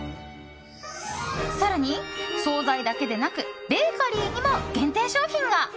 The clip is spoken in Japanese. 更に、総菜だけでなくベーカリーにも限定商品が。